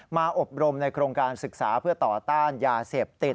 อบรมในโครงการศึกษาเพื่อต่อต้านยาเสพติด